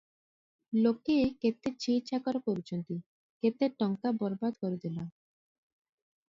ଲୋକେ କେତେ ଛି ଛାକର କରୁଛନ୍ତି, କେତେ ଟଙ୍କା ବରବାଦ କରିଦେଲ!